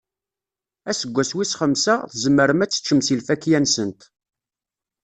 Aseggas wis xemsa, tzemrem ad teččem si lfakya-nsent.